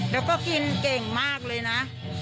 แล้วก็กินเก่งมากเลยนะ